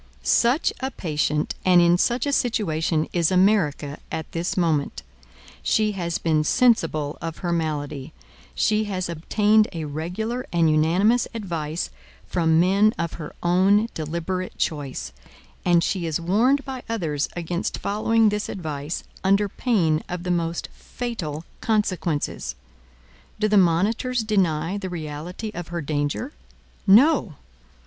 Such a patient and in such a situation is America at this moment. She has been sensible of her malady. She has obtained a regular and unanimous advice from men of her own deliberate choice. And she is warned by others against following this advice under pain of the most fatal consequences. Do the monitors deny the reality of her danger? No.